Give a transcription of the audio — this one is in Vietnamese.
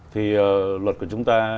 thì luật của chúng ta